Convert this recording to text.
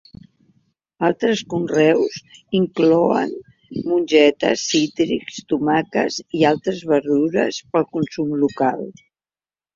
Altres conreus inclouen mongetes, cítrics, tomàquets i altres verdures per al consum local.